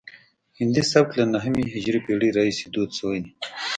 هندي سبک له نهمې هجري پیړۍ راهیسې دود شوی دی